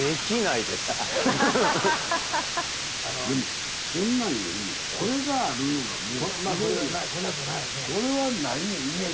でもそんなんよりもこれがあるいうのがもうすごいやん。